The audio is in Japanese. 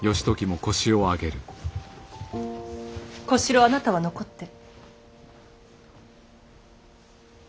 小四郎あなたは残って。